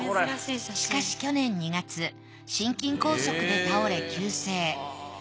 しかし去年２月心筋梗塞で倒れ急逝。